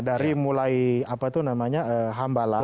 dari mulai apa itu namanya hambala